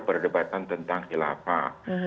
perdebatan tentang khilafah